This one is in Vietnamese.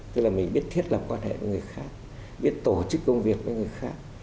tức là mình biết thiết lập quan hệ với người khác biết tổ chức công việc với người khác